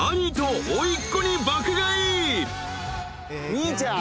兄ちゃん。